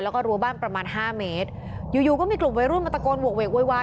แล้วก็รั้วบ้านประมาณห้าเมตรอยู่อยู่ก็มีกลุ่มวัยรุ่นมาตะโกนโหกเวกโวยวาย